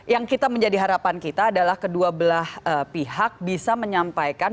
yang kita menjadi harapan kita adalah kedua belah pihak bisa menyampaikan